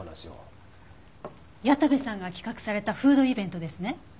矢田部さんが企画されたフードイベントですね？